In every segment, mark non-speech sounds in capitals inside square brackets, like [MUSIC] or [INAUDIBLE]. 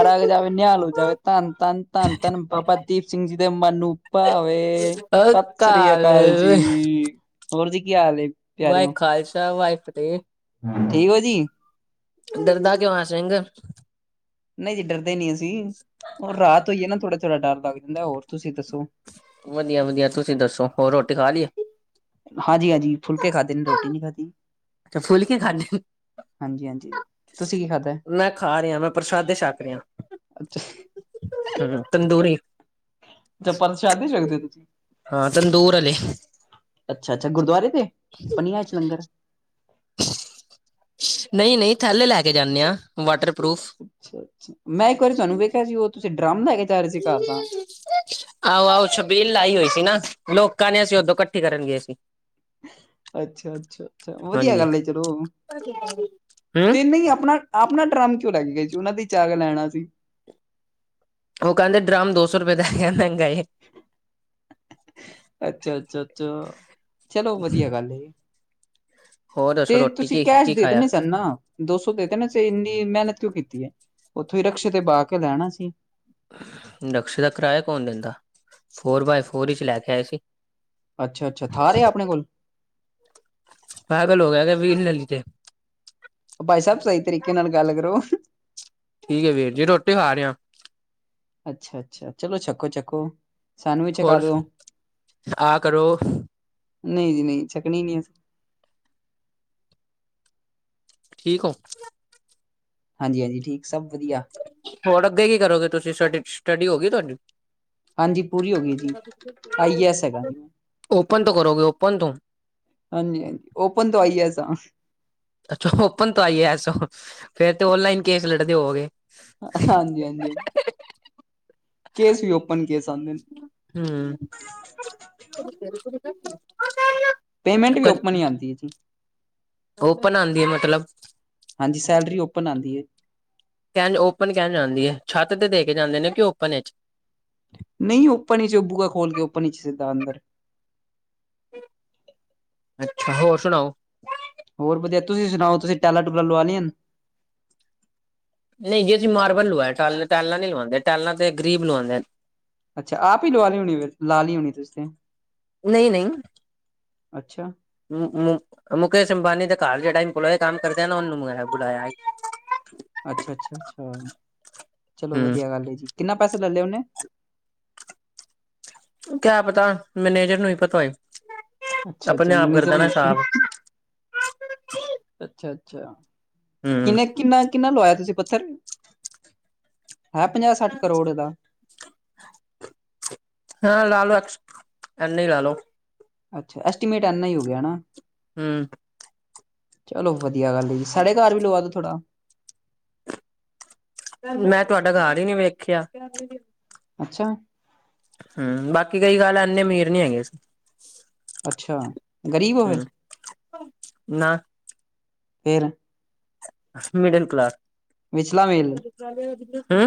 ਪਰ ਅਗੇ ਜਾਕੇ ਨਿਹਲ ਹੋ ਜਾਵੇ, ਧੰਨ-ਧੰਨ-ਧੰਨ-ਧੰਨ ਬਾਬਾ ਦੀਪ ਸਿੰਘ ਜੀ ਦੇ ਮਨ ਨੂੰ। ਭਾਵੇ, ਸਤਿ ਸ੍ਰੀ ਅਕਾਲ ਜੀ ਹੋਰ ਜੀ ਕੀ ਹਾਲ ਏ? ਵਾਹਿ ਖਾਲਸਾ ਵਾਹਿ ਫਤਿਹ। ਹੂੰ, ਠੀਕ ਹੋ ਜੀ। ਢਰਦਾ ਕਿਉਂ ਆ ਸਿੰਘ? ਨਹੀਂ ਜੀ ਡਰਦੇ ਨੀ ਅਸੀਂ, ਹੁਣ ਰਾਤ ਹੋਈਏ ਨਾ ਥੋੜ੍ਹਾ-ਥੋੜ੍ਹਾ ਡਰ ਲੱਗ ਜਾਂਦਾ ਹੋਰ ਤੁਸੀਂ ਦੱਸੋ। ਵਧੀਆ-ਵਧੀਆ, ਤੁਸੀਂ ਦੱਸੋ ਹੋਰ ਰੋਟੀ ਖਾ ਲੀਆ। ਹਾਂਜੀ-ਹਾਂਜੀ, ਫੁਲਕੇ ਖਾਧੇ ਨੇ ਰੋਟੀ ਨੀ ਖਾਧੀ। ਅੱਛਾ ਫੁਲਕੇ ਖਾਦੇ। ਹਾਂਜੀ ਹਾਂਜੀ ਤੁਸੀਂ ਕੀ ਖਾਧਾ ਮੈਂ ਖਾ ਰਿਹਾ ਵਾ, ਮੈਂ ਪ੍ਰਸ਼ਾਦੇ ਛੱਕ ਰਿਹਾ। ਅੱਛਾ। ਹੂੰ, ਤੰਦੁਰੀ। ਅੱਛਾ, ਪਰਸਾਦੇ ਛਕਦੇ ਹੋ ਤੁਸੀਂ। ਹਾਂ, ਤਨਦੂਰ ਆਲੇ। ਅੱਛਾ-ਅੱਛਾ, ਗੁਰਦੁਆਰੇ ਤੇ ਪਨੀਆਂ ਚ ਲੰਗਰ ਨਹੀਂ-ਨਹੀਂ, ਥੈਲੇ ਲੈ ਕੇ ਜਾਂਨੇਆ। ਵਾਟਰਪਰੂਫ ਅੱਛਾ-ਅੱਛਾ, ਮੈਂ ਇੱਕ ਵਾਰੀ ਤੁਹਾਨੂੰ ਵੇਖਿਆ ਸੀ ਉ ਤੁਸੀਂ ਡਰਮ ਲੈਕੇ ਜਾਰੇ ਸੀ ਘਰਦਾ। ਆਹੋ-ਆਹੋ, ਛਬੀਲ ਲਾਈ ਹੋਈ ਸੀ ਨਾ ਲੋਕਾਂ ਨੇ, ਅਸੀਂ ਉਦੋਂ ਇਕੱਠੀ ਕਰਨ ਗਏ ਸੀ। ਅੱਛਾ-ਅੱਛਾ-ਅੱਛਾ, ਵਧੀਆ ਹਾਂਜੀ ਗੱਲ ਏ ਚਲੋ, ਹੂੰ ਤੇ ਨੀ ਆਪਣਾ ਆਪਣਾ ਡਰਮ ਕਿਉਂ ਲੈ ਕੇ ਗਏ ਸੀ, ਉਹਨਾ ਦਾ ਈ ਚੱਕ ਲੈਣਾ ਸੀ। ਉਹ ਕਹਿੰਦੇ, ਡਰਮ ਦੋ ਸੌ ਰੁਪਏ ਦਾ ਹੈਗਾ ਮਹਿੰਗਾ ਏ। ਅੱਛਾ-ਅੱਛਾ-ਅੱਛਾ, ਚਲੋ ਵਧੀਆ ਗੱਲ ਏ। ਹੋਰ ਦੱਸੋ ਤੇ ਰੋਟੀ ਤੁਸੀਂ ਕੀ ਕੈਸ਼ ਕੀ ਦੇ ਖਾਇਆ ਦੇਣੇ ਸੀ ਨਾ। ਦੋ ਸੌ ਦੇ ਦੇਣ ਸੀ ਤੇ ਇੰਨੀ ਮਿਹਨਤ ਕਿਉਂ ਕੀਤੀ ਹੈ ਉੱਥੋਂ ਹੀ ਰਕਸ਼ੇ ਤੇ ਬਹਿ ਕੇ ਲੈ ਆਣਾ ਸੀ। ਰਕਸ਼ੇ ਦਾ ਕਿਰਾਇਆ ਕੌਣ ਦਿੰਦਾ? ਫੋਰ ਬਾਏ ਫੋਰ ਚ ਲੈ ਕੇ ਆਏ ਸੀ। ਅੱਛਾ-ਅੱਛਾ, ਥਾਰ ਹੈ ਆਪਣੇ ਕੋਲ। ਪਾਗ਼ਲ ਹੋ ਗਿਆ ਕੇ ਵ੍ਹੀਲ ਨੈਲੀ ਤੇ ਭਾਈ ਸਾਹਿਬ, ਸਹੀ ਤਰੀਕੇ ਨਾਲ ਗੱਲ ਕਰੋ। ਠੀਕ ਹੈ ਵੀਰ ਜੀ, ਰੋਟੀ ਖਾ ਰਿਆ। ਅੱਛਾ-ਅੱਛਾ, ਚਲੋ ਛਕੋ-ਛਕੋ। ਸਾਨੂੰ ਵੀ ਛੱਕਾ ਹੋਰ ਦੋ, ਆ ਕਰੋ ਨਹੀਂ ਜੀ-ਨਹੀਂ, ਛਕਣੀ ਨੀ ਅਸੀਂ। ਠੀਕ ਹੋ। ਹਾਂਜੀ-ਹਾਂਜੀ, ਠੀਕ ਸਭ ਵਧੀਆ। ਹੋਰ ਅੱਗੇ ਕੀ ਕਰੋਗੇ ਤੁਸੀਂ? ਸਟ ਸਟੱਡੀ ਹੋ ਗਈ ਤੁਹਾਡੀ। ਹਾਂਜੀ, ਪੂਰੀ ਹੋ ਗਈ ਜੀ, ਆਈ ਐਸ ਹੈਗਾ। ਓਪਨ ਤੋਂ ਕਰੋਗੇ ਓਪਨ ਤੋਂ। ਹਾਂਜੀ-ਹਾਂਜੀ, ਓਪਨ ਤੋਂ ਆਈ ਐਸ ਆਂ। ਅੱਛਾ, ਓਪਨ ਤੋਂ ਆਈ ਏ ਐਸ ਹੋ ਫੇਰ ਤੇ ਓਨਲਾਈਨ ਕੇਸ ਲੜਦੇ ਹੋਵੋਗੇ। ਹਾਂਜੀ ਹਾਂਜੀ ਹਾਂਜੀ। ਕੇਸ ਵੀ ਓਪਨ ਕੇਸ ਆਂਦੇ ਨੇ। ਹੂੰ। ਪੇਮੈਂਟ ਵੀ ਓਪਨ ਹੀ ਆਂਦੀ ਏ ਜੀ। ਓਪਨ ਆਂਦੀ ਏ ਮਤਲਬ ਹਾਂਜੀ ਸੈਲਰੀ ਓਪਨ ਆਂਦੀ ਏ। ਕੈਂਝ ਓਪਨ ਕੈਂਝ ਆਂਦੀ ਏ, ਛੱਤ ਤੇ ਦੇ ਕੇ ਜਾਂਦੇ ਨੇ ਕਿ ਓਪਨ ਵਿਚ। ਨਹੀਂ ਓਪਨ ਵਿਚ ਉਹ ਬੂਆ ਖੋਲ ਕੇ ਓਪਨ ਵਿਚ ਸਿੱਧਾ ਅੰਦਰ। ਅੱਛਾ, ਹੋਰ ਸੁਣਾਓ? ਹੋਰ ਵਧੀਆ। ਤੁਸੀਂ ਸੁਣਾਓ ਤੁਸੀਂ ਟਾਇਲਾਂ ਟੂਲਾ ਲਵਾ ਲਈਆਂ? ਨਹੀਂ ਜੀ, ਅਸੀਂ ਮਾਰਬਲ ਲਵਾਇਆ ਟ ਟੈਲਾ ਨੀ ਲਵਾਉਂਦੇ, ਟੈਲਾ ਤੇ ਗਰੀਬ ਲਵਾਉਂਦੇ। ਅੱਛਾ ਆਪ ਹੀ ਲਵਾ ਲਈ ਹੋਣੀ ਫੇਰ, ਲਾ ਲਈ ਹੋਣੀ ਤੁਸੀ, ਨਹੀਂ ਨਹੀਂ ਅੱਛਾ। [UNINTELLIGIBLE] ਮੁਕੇਸ਼ ਅੰਬਾਨੀ ਦੇ ਘਰ ਜਿਹੜਾ ਇੰਪਲੋਏ ਕੰਮ ਕਰਦੇ ਨਾ ਉਹਨੂੰ ਬੁਲਾਇਆ। ਅੱਛਾ ਅੱਛਾ ਅੱਛਾ, ਚਲੋ ਹਮ ਵਧੀਆ ਗੱਲ ਐ ਜੀ। ਕਿੰਨਾ ਪੈਸੇ ਲੈ ਲਿਆ ਉਹਨੇ? ਕਿਆ ਪਤਾ ਮੈਨੇਜਰ ਨੂੰ ਹੀ ਪਤਾ ਹੋਏ। ਅੱਛਾ ਅੱਛਾ ਆਪਣੇ ਆਪ ਕਰ ਮਨੇਜਰ ਦੇਣਾ ਨੂੰ। ਸਾਫ਼ ਅੱਛਾ ਅੱਛਾ, ਹੂੰ ਕਿਨੇ ਕਿੰਨਾ ਕਿੰਨਾ ਲਵਾਇਆ ਤੁਸੀਂ ਪੱਥਰ, ਹੈ ਪੰਜਾਹ ਸੱਠ ਕਰੋੜ ਦਾ? ਹਾਂ, ਲਾ ਲੋ ਐਨਾ ਹੀ ਲਾ ਲੋ। ਅੱਛਾ, ਐਸਟੀਮੇਟ ਐਨਾ ਹੀ ਹੋ ਗਿਆ ਨਾ। ਹੂੰ। ਚਲੋ ਵਧੀਆ ਗੱਲ ਐ ਜੀ, ਸਾਡੇ ਘਰ ਵੀ ਲਵਾ ਦੋ ਥੋੜਾ। ਮੈਂ ਤੁਹਾਡਾ ਘਰ ਹੀ ਨਹੀਂ ਵੇਖਿਆ। ਅੱਛਾ। ਹੂੰ, ਬਾਕੀ ਕਈ ਗੱਲ ਇੰਨੇ ਅਮੀਰ ਨੀ ਹੈਗੇ ਅਸੀਂ। ਅੱਛਾ ਗ਼ਰੀਬ ਹੋ ਫਿਰ? ਹੂੰ ਨਾ ਫਿਰ ਮਿਡਲ ਕਲਾਸ। ਵਿਚਲਾ ਮੇਲ? ਹੂੰ।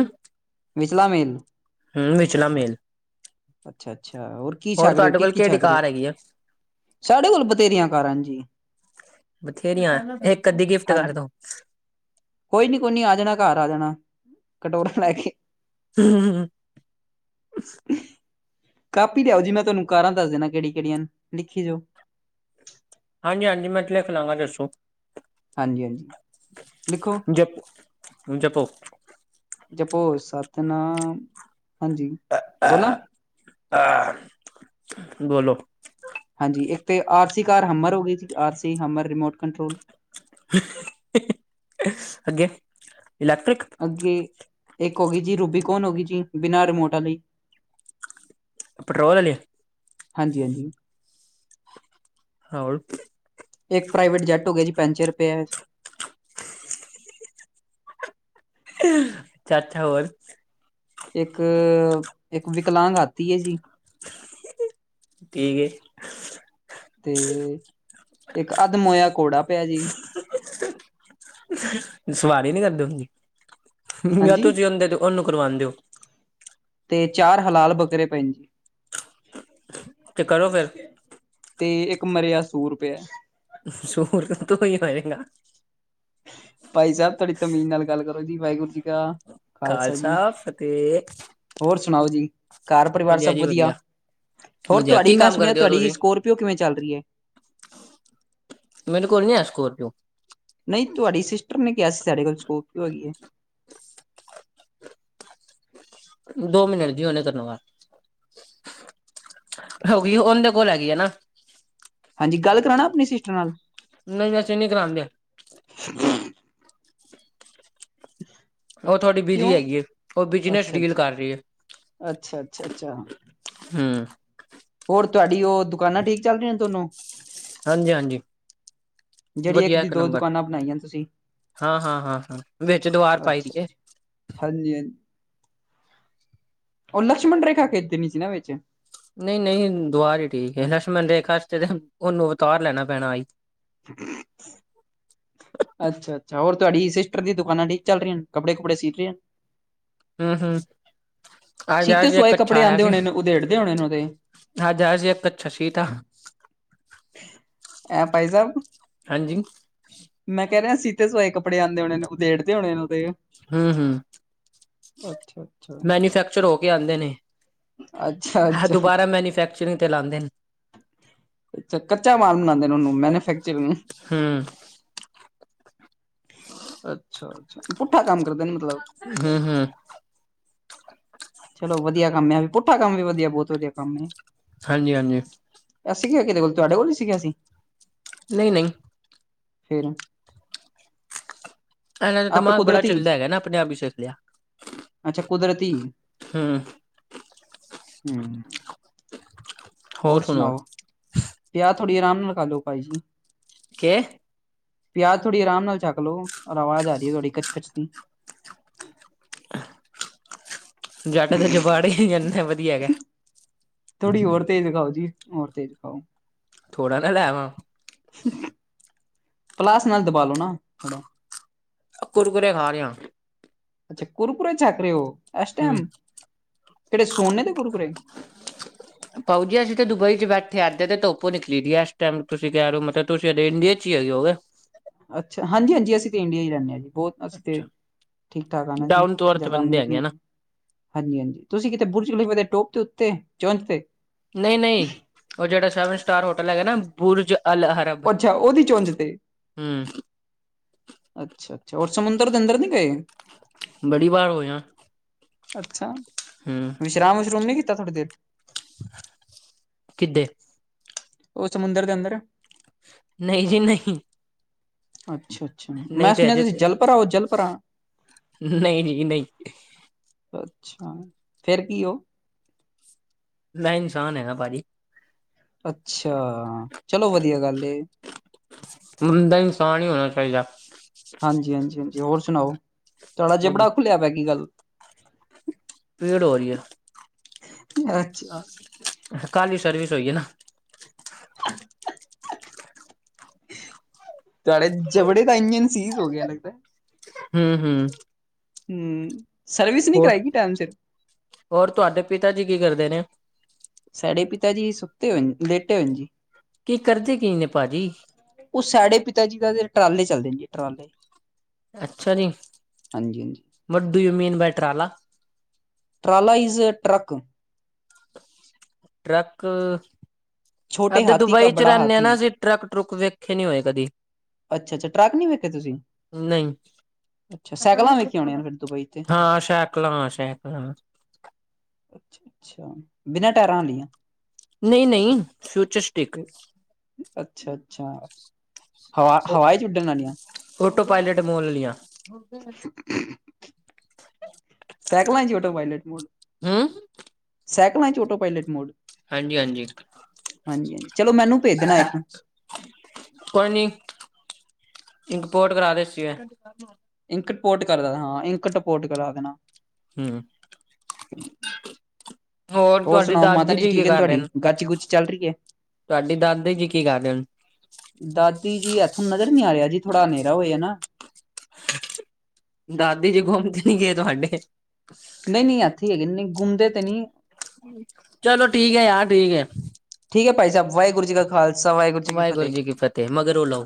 ਵਿਚਲਾ ਮੇਲ? ਹੂੰ ਵਿਚਲਾ ਮੇਲ। ਅੱਛਾ ਅੱਛਾ, ਹੋਰ? ਕੀ ਛੱਕ ਰਹੇ ਹੋ, ਤੁਹਾਡੇ ਕੋਲ ਕੀ-ਕੀ ਕਿਹੜੀ ਛੱਕ ਰਹੇ ਕਾਰ ਹੋ? ਹੈਗੀ ਆ ਸਾਡੇ ਕੋਲ ਬਥੇਰੀਆਂ ਕਾਰਾਂ ਜੀ। ਬਥੇਰੀਆਂ ਇੱਕ ਅੱਧੀ ਗਿਫਟ ਹਾਂਜੀ ਕਰਦੋ। ਕੋਈ ਨੀ ਕੋਈ ਨੀ ਆ ਜਾਣਾ ਘਰ ਆ ਜਾਣਾ, ਕਟੋਰਾ ਲੈ ਕੇ। ਹਮ [INAUDIBLE] ਕਾਪੀ ਲਿਆਓ ਜੀ, ਮੈਂ ਤੁਹਾਨੂੰ ਕਾਰਾਂ ਦੱਸ ਦਿੰਨਾ ਕਿਹੜੀ ਕਿਹੜੀਆਂ ਨੇ ਲਿਖੀ ਜਾਓ। ਹਾਂਜੀ ਹਾਂਜੀ, ਮੈਂ ਲਿਖ ਲਵਾਂਗਾ ਦੱਸੋ। ਹਾਂਜੀ-ਹਾਂਜੀ ਲਿਖੋ ਜਪ ਜਪੋ। ਜਪੋ ਸਤਿਨਾਮ, ਹਾਂਜੀ। ਬੋਲਾਂ ਬੋਲੋ। ਹਾਂਜੀ, ਇੱਕ ਤੇ ਆਰ ਸੀ ਕਾਰ ਹਮਰ ਹੋ ਗਈ, R C Hummer, remote control. ਅੱਗੇ ਇਲੈਕਟ੍ਰਿਕ। ਅੱਗੇ ਇੱਕ ਹੋ ਗਈ ਜੀ ਰੂਬੀਕੋਨ ਹੋ ਗਈ ਜੀ ਬਿਨਾਂ ਰਿਮੋਟ ਵਾਲੀ। ਪੈਟਰੋਲ ਆਲੀ ਹਾਂਜੀ-ਹਾਂਜੀ। ਹਾਂ [INAUDIBLE] ਇੱਕ ਪ੍ਰਾਈਵੇਟ ਜੈਟ ਹੋ ਗਿਆ ਜੀ ਪੈਂਚਰ ਪੇਆ। [UNINTELLIGIBLE] ਚਾਚਾ ਹੋਰ਼। ਇੱਕ- ਇੱਕ ਵਿਕਲਾਂਗ ਹਾਤੀ ਏ ਜੀ। ਠੀਕ ਏ [UNINTELLIGIBLE] ਤੇ ਇੱਕ ਅਧਮੋਇਆ ਘੋੜਾ ਪੇਆ ਜੀ। [INAUDIBLE] ਸਵਾਰੀ ਨੀ ਕਰਦੇ ਉਂਦੀ ਯ ਹਾਂਜੀ ਤੁਸੀ ਓਂਦੇਤੋ ਉਨੂੰ ਕਰਵਾਂਦੇ ਓ। ਤੇ ਚਾਰ ਹਲਾਲ ਬੱਕਰੇ ਪਏ ਨੇ। ਤੇ ਕਰੋ ਫੇਰ। ਤੇ ਇੱਕ ਮਰਿਆ ਸੂਰ ਪਿਐ। ਸੂਰਈ ਕਰੇਗਾ [UNINTELLIGIBLE] ਭਾਈ ਸਾਬ ਤੋੜੀ ਤਮੀਨ ਨਾਲ ਗੱਲ ਕਰੋ ਜੀ‌ ਵਾਹਿਗੁਰੂ ਜੀ ਕਾ ਖਾਲਸਾ ਜੀ ਹੋਰ ਸੁਣਾਓ ਜੀ, ਘਰ ਪਰਿਵਾਰ ਸਭ ਵਧੀਆ? ਹੋਰ ਵਧੀਆ ਤੁਆਡੀ ਕੀ ਮੈਂ ਕੰਮ ਸੁਣਿਆ, ਕਰਦੇ ਹੋ ਤਾਡੀ ਤੁਸੀਂ ਸਕੋਰਪਿਓ ਕਿਵੇਂ ਚੱਲ ਰੀ ਐ? ਮੇਰੇ ਕੋਲ ਨੀ ਹੈ ਸਕੋਰਪੋ। ਨਈ ਤੁਆਡੀ ਸਿਸਟਰ ਨੇ ਕੇਆ ਸੀ ਸਾਡੇ ਕੋਲ ਸਕੋਰਪਿੳ ਹੈਗੀ ਏ। ਦੋ ਮਿੰਟ ਜੀ ਹੁਨੇ ਚੱਲੂੰਗਾ। ਹੋਗੀ ਓ ਓਂਦੇ ਕੋਲ ਹੈਗੀ ਐਨਾ। ਹਾਂਜੀ, ਗੱਲ ਕਰਾਣਾ ਆਪਨੀ ਸਿਸਟਰ ਨਾਲ। ਨਈ ਅਸੀ ਨੀ ਕਰਾਂਦੇ। ਹਾਂ [UNINTELLIGIBLE] [INAUDIBLE] ਹ [UNINTELLIGIBLE] [INAUDIBLE] ਓ ਥੋੜੀ ਬਿਜੀ ਹੈਗੀ ਏ ਓ ਬਿਜ਼ਨਸ ਅੱਛਾ ਡੀਲ ਅੱਛਾ ਕਰ ਰੀ ਏ। ਅੱਛਾ- ਅੱਛਾ- ਅੱਛਾ। ਹੂਂ। ਹੋਰ ਤੁਆਡੀ ਓ ਦੁਕਾਨਾਂ ਠੀਕ ਚੱਲ ਰੀਆਂ ਨੇ ਦੋਨੋ। ਹਾਂਜੀ- ਹਾਂਜੀ ਜਿਹੜੀ ਵਧੀਆ ਦੀ ਇੱਕ ਦੋ ਨੰਬਰ। ਦੁਕਾਨਾਂ ਬਣਾਈਆਂ ਤੁਸੀਂ ਹਾਂ- ਹਾਂ -ਹਾਂ -ਹਾਂ ਵਿੱਚ ਦੀਵਾਰ ਪਾਈ ਦੀ ਅੱਛਾ ਏ। ਅੱਛਾ ਹਾਂਜੀ -ਹਾਂਜ ਓ ਲਸ਼ਮਣ ਰੇਖਾ ਖਿਚ ਦੇਣੀ ਸੀ ਨਾ ਵਿੱਚ। ਨਈ -ਨਈ ਦੁਆਾਰ ਈ ਠੀਕ ਏ। ਲਸ਼ਮਣ ਰੇਖਾ ਵਿਚ ਤੇ ਉਨੂੰ ਅਵਤਾਰ ਲੈਣਾ ਪੈਣਾ ਆਈ। ਹ [INAUDIBLE] ਅੱਛਾ, ਅੱਛਾ ਹੋਰ ਤੁਆਡੀ ਸਿਸਟਰ ਦੀ ਦੁਕਾਨਾਂ ਠੀਕ ਚੱਲਰੀਆਂ ਨ ਕੱਪੜੇ ਕੁੱਪੜੇ ਸੀ ਰੇ ਅਨ? ਹੂੰ-ਹੂੰ ਸੀਤੇ ਸਵਾਏ ਕੱਪੜੇ ਆਂਦੇ ਹੋਣੇ ਨੇ ਓਦੇੜਦੇ ਹੋਣੇ ਨੇ ਓਦੇ। ਅੱਜ ਆਇਆ ਸੀ ਏਕ ਕੱਛਾ ਸੀਤਾ। ਐ ਭਾਈ ਸਾਬ ਹਾਂਜੀ। ਮੈਂ ਕੈਂ ਰਿਆ ਸੀਤੇ ਸਵਾਏ ਕੱਪੜੇ ਆਂਦੇ ਹੋਣੇ ਉਦੇੇੜਦੇ ਹੋਣੇ ਨੇ ਓਦੇ। ਹੂੰ-ਹੂੰ ਅੱਛਾ-ਅੱਛਾ, ਮੈਨੀਫੈਕ ਚਰ ਹੋ ਕੇ ਆਂਦੇ ਨੇ ਅੱਛਾ-ਅੱਛਾ, ਅੱਛਾ ਅੱਛਾ ਦੁਬਾਰਾ ਮੈਨੀਫੈਕਚਰਿੰਗ ਤੇ ਲਾਂਦੇ ਨੇ। ਅੱਛਾ ਕੱਚਾ ਮਾਲ ਬਣਾਂਦੇ ਨੇ ਉਨੂੰ ਮੈਨੂਫੈਕਚਰਿੰਗ ਨੂੰ। ਹੂੰ ਅੱਛਾ-ਅੱਛਾ, ਪੁੱਠਾ ਕੰਮ ਕਰਦੇਨ ਮ ਹੂੰ, ਹੂੰ ਚਲੋ ਵਧੀਆ ਕੰਮ ਏ, ਪੁੱਠਾ ਕੰਮ ਵੀ ਵਧੀਆ, ਬੋਤ ਵਧੀਆ ਕੰਮ ਏ। ਹਾਂਜੀ-ਹਾਂਜੀ। ਅਸੀਂ ਗੇ ਕਿਦੇ ਕੋਲ, ਤੁਹਾਡੇ ਕੋਲ ਈ ਸੀਗੇ ਅਸੀਂ। ਨਈ-ਨਈ। ਫੇਰ ਐਨਾ ਦਾ ਆਪੇ ਦਿਮਾਗ ਬੜਾ ਕੁਦਰਤੀ ਚਲਦਾ ਹੈਗਾ ਨਾ, ਅਪਣੇ-ਆਪ ਈ ਚੱਲਿਆ। ਅੱਛਾ ਕੁਦਰਤੀ ਹੂੰ। ਹੋਰ ਸੁਣਾਓ, ਯਾ ਥੋੜੀ ਅਰਾਮ ਨਾਲ ਖਾਲੋ ਭਾਈ ਜੀ। ਕੇ? ਪਿਆਜ਼ ਥੋੜੀ ਆਰਾਮ ਨਾਲ ਛਕਲੋ, ਓਰ ਆਵਾਜ਼ ਆਰੀ ਥੋੜੀ ਕੱਚ-ਕਚ ਦੀ। ਜੱਟ ਦੇ ਜਬਾੜੇ ਈ, ਐਨੇ ਵਧੀਆ ਹੈਗਾ। ਥੋੜੀ ਹੋਰ ਤੇਜ਼ ਖਾਓ ਜੀ, ਹੋਰ ਤੇਜ਼ ਖਾਓ। ਥੋੜਾ ਨਾ ਲੈ ਆਵਾਂ। ਪਲਾਸ ਨਾਲ ਦਬਾਲੋ ਨਾ ਥੋੜਾ। ਕੁਰਕੁਰੇ ਖਾ ਰਿਆਂ। ਅੱਛਾ, ਕੁਰਕੁਰੇ ਛਕ ਰੇ ਓ ਐਸ ਹੂੰ ਟੈਮ, ਕੇੜੇ ਸੋਨੇ ਨੇ ਦੇ ਕੁਰਕੁੁਰੇ। ਭਾਊ ਜੀ, ਅਸੀਂ ਤੇ ਦੁਬਈ'ਚ ਬੈਠੇ ਐਦੇ ਤੇ ਧੁੱਪ ਨਿਕਲੀ ਦੀ ਐਸ ਟੈਮ, ਤੁਸੀਂ ਕੈ ਰੋ ਮਤਲਬ ਤੁਸੀ ਇੰਡੀਆ'ਚ ਈ ਹੋਗੇ। ਅੱਛਾ, ਹਾਂਜੀ-ਹਾਂਜੀ ਅਸੀਂ ਤੇ ਇੰਡੀਆ ਈ ਰਹਿੰਨੇ ਆ ਜੀ। ਬੋਤ ਅਸੀਂ ਤੇ ਅੱਛਾ ਠੀਕ-ਠਾਕ ਆ ਨਾ ਜੀ, ਡਾਊਨ ਟੂ ਅਰਥ ਜਾਦਾ ਬੰਦੇ ਅਮੀਰ ਹੈਗੇ ਨੀ। ਨਾ ਹਾਂਜੀ-ਹਾਂਜੀ, ਤੁਸੀ ਕਿਤੇ ਬੁਰਜਖਲੀਫਾ ਦੇ ਟੋਪ ਤੇ ਉੱਤੇ, ਚੁੰਜ ਤੇ? ਨਈ-ਨਈ, ਓ ਜੇੜਾ ਸੈਵਨ ਸਟਾਰ ਹੋਟਲ ਹੈਗਾ ਨਾ, ਬੁਰਜ ਅਲਹ ਅੱਛਾ, ਓਦੀ ਚੁੰਜ ਤੇ? ਹੂੰ। ਅੱਛਾ-ਅੱਛਾ, ਹੋਰ ਸਮੁੰਦਰ ਦੇ ਅੰਦਰ ਨੀ ਗਏ? ਬੜੀ ਵਾਰ ਹੋਏ ਆਂ। ਅੱਛਾ। ਹੂੰ ਵਿਸ਼ਰਾਮ-ਵਿਸ਼ਰੁਮ ਨੂੰ ਕੀਤਾ ਥੋੜੀ ਦੇਰ? ਕਿਦੇ? ਓ, ਸਮੁੰਦਰ ਦੇ ਅੰਦਰ? ਨਈ ਜੀ, ਨਈਂ। ਅੱਛਾ-ਅੱਛਾ, ਮੈਂ ਤੇ ਸੁਣਿਆ ਤੁਸੀਂ ਜਲ ਪਰਾ ਓ, ਜਲ ਪਰਾ। ਨਈਂ ਜੀ, ਨਈਂ। ਅੱਛਾ, ਫੇਰ ਕੀ ਓ? ਮੈਂ ਇਨਸ਼ਾਨ ਹੈਗਾ, ਭਾਜੀ। ਅੱਛਾ, ਚਲੋ ਵਧੀਆ ਗੱਲ ਏ। ਬੰਦਾ ਇਨਸਾਨ ਹੀ ਹੋਣਾ ਚਾਈਦਾ। ਹਾਂਜੀ-ਹਾਂਜੀ-ਹਾਂਜੀ, ਹੋਰ ਸੁਣਾਓ, ਤੁਹਾਡਾ ਜਬੜਾ ਖੁੱਲਿਆ ਪਿਆ ਕੀ ਗੱਲ? ਪੀੜ ਹੋਰੀ ਐ। ਅੱਛਾ। ਕੱਲ ਈ ਸਰਵਿਸ ਹੋਈ ਏ ਨਾ। [INAUDIBLE] ਤੁਆਡੇ ਜਬੜੇ ਦਾ, ਇੰਜਨ ਸੀਜ਼ ਹੋ ਗਿਆ ਲੱਗਦੈ। ਹੂ ਹੂ ਹੂ, ਸਰਵਿਸ ਨੀ ਕਰਾਈ ਕਿ ਟਾਈਮ ਸਿਰ ਹੋਰ, ਤੁਆਡੇ ਪਿਤਾ ਜੀ ਕੀ ਕਰਦੇ ਨੇ? ਸਾਡੇ ਪਿਤਾ ਜੀ ਸੁੱਤੇ ਹੋਏਨ, ਲੇਟੇ ਹੋਯਨ ਜੀ। ਕੀ ਕਰਦੇ ਕੀ ਨੇ ਭਾਜੀ? ਓ ਸਾਡੇ ਪਿਤਾ ਜੀ ਦਾ, ਦੇ ਟਰਾਲੇ ਚੱਲਦੇ ਨੇ, ਜੀ ਟਰਾਲੇ। ਅੱਛਾ ਜੀ, ਹਾਂਜੀ ਹਾਂਜੀ what do you mean by ਟਰਾਲਾ? ਟਰਾਲਾ ਇੱਜ਼ ਟਰੱਕ। ਟਰੱਕ ਛੋਟੇ ਐੱਥੇ ਹਾਥੀ ਕਾ ਦੁਬਈ ਚ ਬੜਾ ਰੈਨੇ ਆ ਨਾ ਹਾਥੀ ਅਸੀ, ਟਰੱਕ ਟਰੁੱਕ ਵੇਖੇ ਨੀ ਹੋਏ ਕਦੀ। ਅੱਛਾ, ਅੱਛਾ ਟਰਾੱਕ ਨੀ ਵੇਖੇ ਤੁਸੀ। ਨਈ। ਅੱਛਾ, ਸੈਕਲਾਂ ਵੇਖੀਆਂ ਹੋਣੀਆਂ ਫੇਰ ਦੁਬਈ ਤੇ ਕਲਾਂਸ਼ ਏ ਕਲਾਸ਼ ਅੱਛਾ, ਅੱਛਾ ਬਿਨਾ ਟੈਯਰਾਂ ਆਲੀਆਂ ਨਈ, ਨਈ ਫਯੁਚ ਸਟਿਕ ਅੱਛਾ, ਅੱਛਾ ਹਵਾ ਹਵਾ ਚ ਉੱਡਨ ਆਲੀਆਂ? ਫੋਟੋ ਪਾਯਲਟ ਮੋਲ ਆਲਿਆਂ। [INAUDIBLE] ਸੈਕਲਾਂ ਚ ਔਟੋ ਪਾਯਲਟ ਮੋਡ, ਹਮ ਸੈਕਲਾਂ ਚ ਔਟੋ ਪਾਯਲਟ ਮੋਡ ਹਾਂਜੀ ਹਾਂਜੀ ਹਾਂਜੀ, ਹਾਂਜੀ ਚਲੋ ਮੈਨੂੰ ਭੇਜਣਾ ਇੱਕ ਕੋਈ ਨੀ ਇੰਕ ਪੋਰਟ ਕਰਾ ਦੇੱਸੀ ਏ। ਇੰਕਟ ਪੋਰਟ ਕਰਦਾ ਹਾਂ, ਇੰਕਟ ਪੋਰਟ ਕਰਾ ਦੇਣਾ ਹੂ ਹੋਰ ਸੁਣਾਓ, ਮਾਤਾ ਜੀ ਠੀਕ ਨੇ ਤੁਆਡੀ, ਗਾਚੀ ਗੁਚੀ ਚੱਲ ਰੀ ਏ ਤੁਆਡੀ ਦਾਦੇ ਜੀ ਕੀ ਕਰ ਰੇਣ? ਦਾਦੀ ਜੀ ਐਥੋਂ ਨਜ਼ਰ ਨੀ ਆ ਰੇਆ ਜੀ, ਥੋੜਾ ਹਨੇਰਾ ਹੋਯਾ ਨਾ ਦਾਦੀ ਜੀ ਗੁਮ ਤੇ ਨੀ ਗਏ ਤੁਆਡੇ ਨੀ ਨੀ ਐੱਥੇ ਈ ਹੈਗੇ, ਨਈ ਗੁੰਮਦੇ ਤੇ ਨੀ ਚਲੋ ਠੀਕ ਐ ਯਾਰ ਠੀਕ ਏ ਠੀਕ ਐ, ਭਾਈ ਸਾਬ ਵਾਏਗੁਰੂ ਜੀ ਕਾ ਖਾਲਸਾ ਵਾਹੇਗੁਰੂ ਵਾਹੇਗੁਰੂ ਜੀ ਕੀ ਫਤੇਹ, ਮਗਰੋ ਲਓ